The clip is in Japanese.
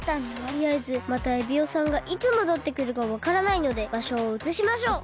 とりあえずまたエビオさんがいつもどってくるかわからないのでばしょをうつしましょう。